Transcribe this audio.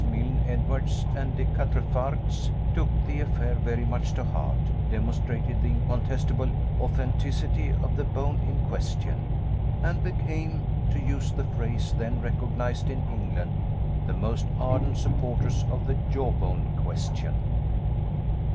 Milne Edwards and De Quatrefages, took the affair very much to heart, demonstrated the incontestable authenticity of the bone in question, and became to use the phrase then recognized in England the most ardent supporters of the "jawbone question."